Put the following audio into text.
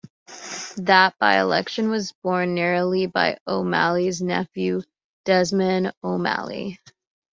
That by-election was won narrowly by O'Malley's nephew, Desmond O'Malley.